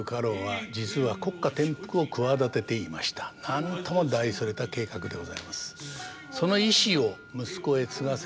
なんとも大それた計画でございます。